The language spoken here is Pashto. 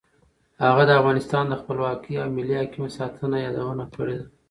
هغه د افغانستان د خپلواکۍ او ملي حاکمیت ساتنه یادونه کړې.